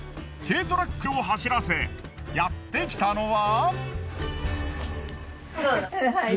軽トラックを走らせやってきたのは。